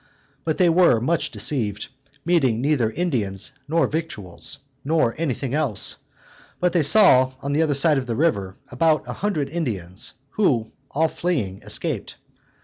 But they were much deceived, meeting neither Indians nor victuals, nor anything else: but they saw, on the other side of the river, about a hundred Indians, who, all fleeing, escaped.